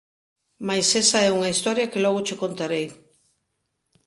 Mais esa é unha historia que logo che contarei.